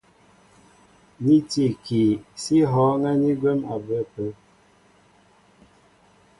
Ní tí ikii, sí hɔ̄ɔ̄ŋɛ́ ni gwɛ̌m a bə ápə̄.